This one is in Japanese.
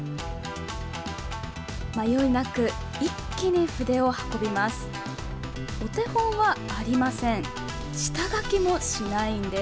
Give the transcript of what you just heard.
迷いなく一気に筆を運びます。